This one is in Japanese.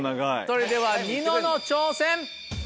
それではニノの挑戦。